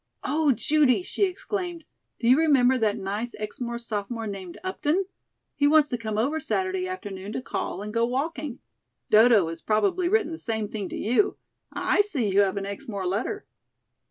"Oh, Judy," she exclaimed, "do you remember that nice Exmoor Sophomore named 'Upton?' He wants to come over Saturday afternoon to call and go walking. Dodo has probably written the same thing to you. I see you have an Exmoor letter."